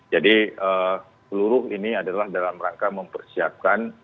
jadi seluruh ini adalah dalam rangka mempersiapkan